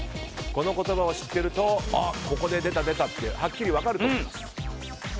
この言葉を知っているとここで出た、出たとはっきり分かると思います。